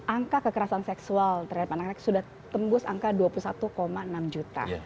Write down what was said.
angka kekerasan seksual terhadap anak anak sudah tembus angka dua puluh satu enam juta